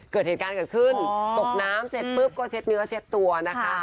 เกิดเหตุการณ์เกิดขึ้นตกน้ำเสร็จปุ๊บก็เช็ดเนื้อเช็ดตัวนะคะ